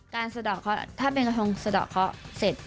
สะดอกเคาะถ้าเป็นกระทงสะดอกเคาะเสร็จ